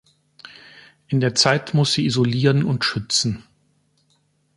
In der Zeit muss sie isolieren und schützen.